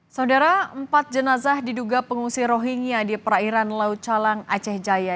saudara empat jenazah diduga pengungsi rohingya di perairan laut calang aceh jaya